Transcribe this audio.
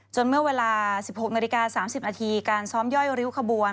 เมื่อเวลา๑๖นาฬิกา๓๐นาทีการซ้อมย่อยริ้วขบวน